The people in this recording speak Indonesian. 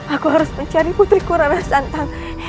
aku harus mencari putriku rai santan